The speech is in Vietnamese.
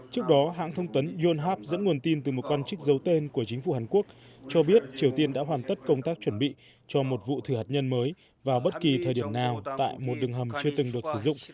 trước đó hãng thông tấn yonhap dẫn nguồn tin từ một quan chức giấu tên của chính phủ hàn quốc cho biết triều tiên đã hoàn tất công tác chuẩn bị cho một vụ thử hạt nhân mới vào bất kỳ thời điểm nào tại một đường hầm chưa từng được sử dụng